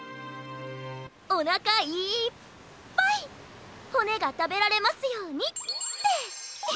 「おなかいっぱいほねがたべられますように」って。